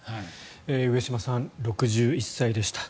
上島さん、６１歳でした。